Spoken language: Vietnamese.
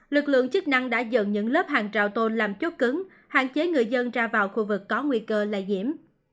lực lượng chức năng đã dần những lớp hàng trào tôn làm chốt cứng hạn chế người dân ra vào khu vực có nguy cơ là diễm